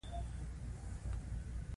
درې مهم دلیلونه د دې وضاحت کوي.